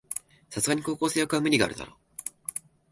さすがに高校生役は無理あるだろ